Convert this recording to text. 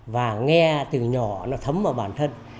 và nghe từ nhỏ nó thấm vào bản thân